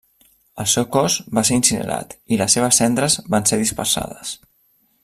El seu cos va ser incinerat i les seves cendres van ser dispersades.